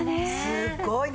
すごいね。